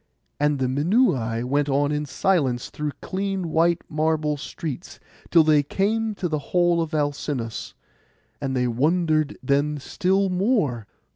And the Minuai went on in silence through clean white marble streets, till they came to the hall of Alcinous, and they wondered then still more.